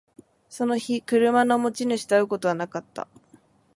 その日、車の持ち主と会うことはなかった